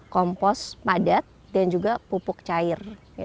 kompos padat dan juga pupuk cair